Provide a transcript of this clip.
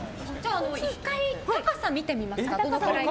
１回、高さを見てみますか。